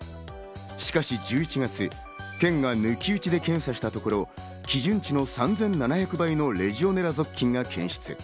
しかし１１月、県が抜き打ちで検査したところ、基準値の３７００倍のレジオネラ属菌が検出。